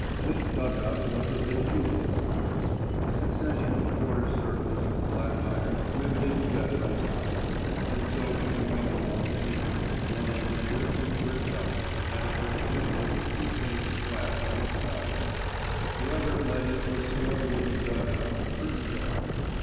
This dug out was of the "tubular" pattern, a succession of quarter circles of black iron riveted together at the top, and so forming a long tube, one end of which was bricked up and had a brick chimney with two panes of glass on each side of it; the other led into a small wooden dug out curtained off.